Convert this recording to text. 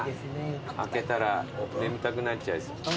開けたら眠たくなっちゃいそう。